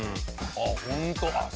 あっホント。